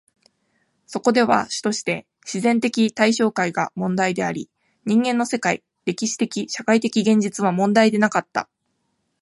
そこでは主として自然的対象界が問題であり、人間の世界、歴史的・社会的現実は問題でなかった。